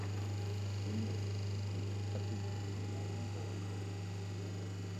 Winners in each category are in bold.